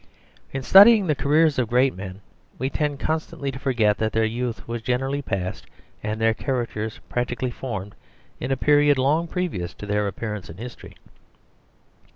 In studying the careers of great men we tend constantly to forget that their youth was generally passed and their characters practically formed in a period long previous to their appearance in history.